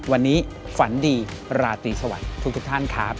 วันนี้ฝันดีราตรีสวัสดีทุกท่านครับ